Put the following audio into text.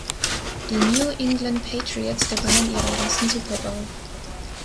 Die New England Patriots gewannen ihren ersten Super Bowl.